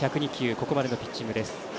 ここまでのピッチングです。